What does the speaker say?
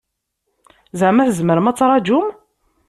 Zeɛma tzemrem ad taṛǧum?